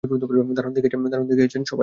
দারুণ দেখিয়েছেন সবাই!